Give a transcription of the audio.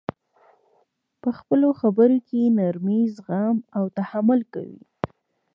په خپلو خبر کي نرمي، زغم او تحمل کوئ!